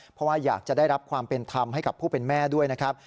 เพราะว่าอยากจะได้รับความเป็นธรรมให้กับผู้เป็นแม่ด้วยนะครับ